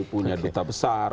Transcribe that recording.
punya duta besar